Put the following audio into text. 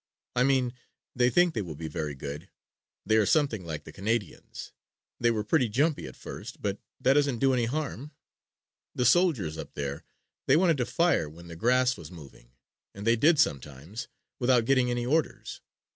"I mean I think they will be very good. They are something like the Canadians. They were pretty jumpy at first, but that doesn't do any harm. The soldiers up there, they wanted to fire when the grass was moving and they did sometimes, without getting any orders.